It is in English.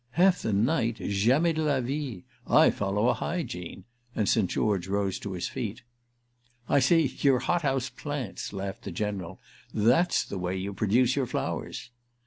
"Half the night?—jamais de la vie! I follow a hygiene"—and St. George rose to his feet. "I see—you're hothouse plants," laughed the General. "That's the way you produce your flowers."